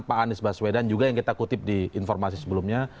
pak anies baswedan juga yang kita kutip di informasi sebelumnya